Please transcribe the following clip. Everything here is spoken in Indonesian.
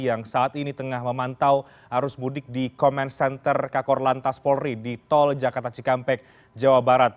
yang saat ini tengah memantau arus mudik di command center kakor lantas polri di tol jakarta cikampek jawa barat